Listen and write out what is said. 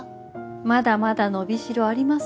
まだまだ伸びしろあります